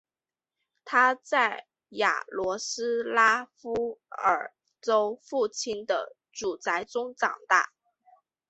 他在雅罗斯拉夫尔州父亲的祖宅中长大。